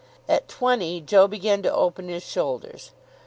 At twenty, Joe began to open his shoulders.